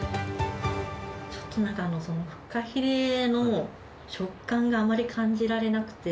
ちょっとなんかその、フカヒレの食感があまり感じられなくて。